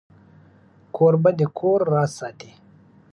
کوربه د کور راز ساتي.